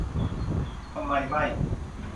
ทำไมไม่